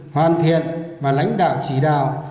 hoàn thiện và lãnh đạo chỉ đạo